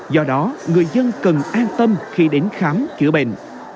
do đó người dân cần an tâm khi đến khám chữa bệnh